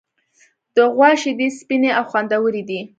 د غوا شیدې سپینې او خوندورې دي.